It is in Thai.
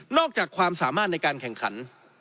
อกจากความสามารถในการแข่งขัน